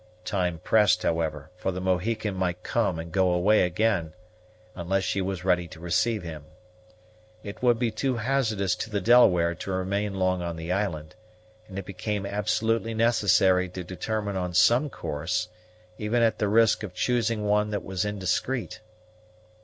Time pressed, however; for the Mohican might come and go away again, unless she was ready to receive him. It would be too hazardous to the Delaware to remain long on the island; and it became absolutely necessary to determine on some course, even at the risk of choosing one that was indiscreet.